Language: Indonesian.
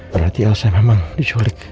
berarti elsa memang diculik